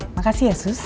makasih ya sus